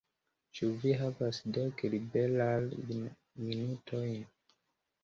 Ĉu vi havas dek liberajn minutojn?